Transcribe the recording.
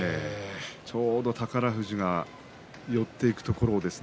ちょうど宝富士が寄っていくところ